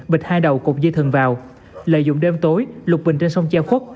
bịt hai đầu cục dây thần vào lợi dụng đêm tối lục bình trên sông cha khuất